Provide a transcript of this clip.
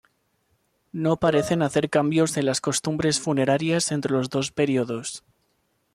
No parecen haber cambios en las costumbres funerarias entre los dos períodos.